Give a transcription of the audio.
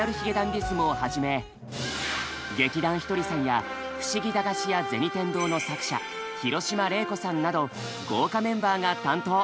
ｄｉｓｍをはじめ劇団ひとりさんや「ふしぎ駄菓子屋銭天堂」の作者廣嶋玲子さんなど豪華メンバーが担当。